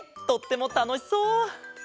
とってもたのしそう！